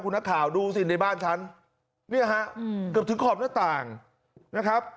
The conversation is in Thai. คุณนักข่าวดูสิในบ้านฉันเนี่ยฮะเกือบถึงขอบหน้าต่างนะครับ